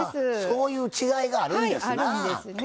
そういう違いがあるんですなぁ。